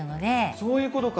そういうことか！